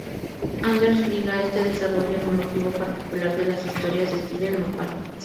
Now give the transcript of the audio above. Anders liga este desarrollo en un motivo particular de las historias de Steven Moffat.